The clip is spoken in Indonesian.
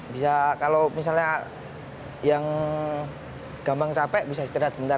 bisa kalau misalnya yang gampang capek bisa istirahat sebentar